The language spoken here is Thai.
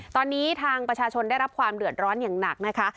ตอนนี้ทางประชาชนได้รับความเดือดร้อนอย่างหนักนะคะ